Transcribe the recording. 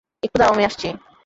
একটু দাড়াও, আমি আসছি।